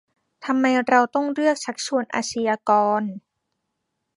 ทำไมเราต้องเลือกชักชวนอาชญากร